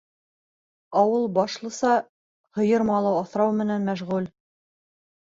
Ауыл башлыса һыйыр малы аҫрау менән мәшғүл.